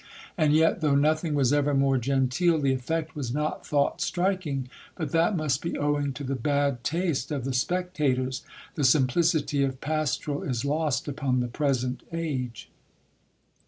And yet, though nothing was ever more genteel, the effect was not thought striking ; but that must be owing to the bad taste of the spectators, the simplicity of pas toral is lost upon the present age.